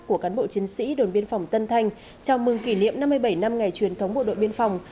của cán bộ chiến sĩ đồn biên phòng tân thanh chào mừng kỷ niệm năm mươi bảy năm ngày truyền thống bộ đội biên phòng